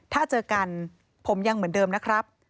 ถ้าเจอกันผมยังเหมือนเดิมนะครับ